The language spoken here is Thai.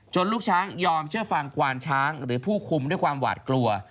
ลูกช้างยอมเชื่อฟังควานช้างหรือผู้คุมด้วยความหวาดกลัว